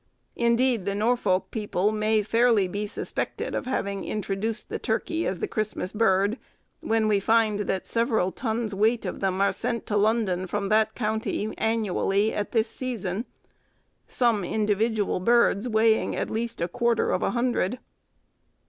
Indeed the Norfolk people may fairly be suspected of having introduced the turkey as the Christmas bird, when we find that several tons weight of them are sent to London from that county annually at this season, some individual birds weighing at least a quarter of a hundred.